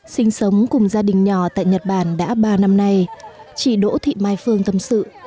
sinh sống cùng gia đình nhỏ tại nhật bản đã ba năm nay chị đỗ thị mai phương tâm sự